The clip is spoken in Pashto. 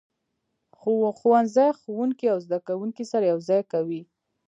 ښوونځی ښوونکي او زده کوونکي سره یو ځای کوي.